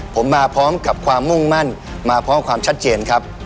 ผมมาพร้อมกับความมุ่งมั่นมาพร้อมความชัดเจนครับ